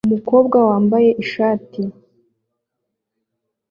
Umukobwa wambaye ishat